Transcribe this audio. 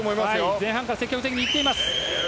前半から積極的にいっています。